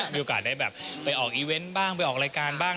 มีโอกาสได้แบบไปออกอีเวนต์บ้างไปออกรายการบ้าง